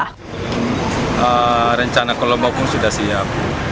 pembelian rencana ke lombok pun sudah siap